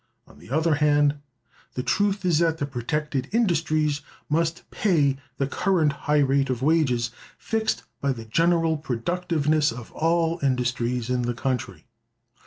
On the other hand, the truth is that the protected industries must pay the current high rate of wages fixed by the general productiveness of all industries in the country.